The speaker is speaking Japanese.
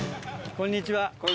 こんにちは。